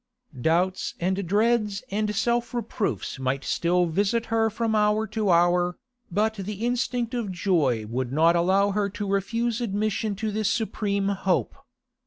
Doubts and dreads and self reproofs might still visit her from hour to hour, but the instinct of joy would not allow her to refuse admission to this supreme hope.